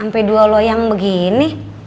sampai dua loyang begini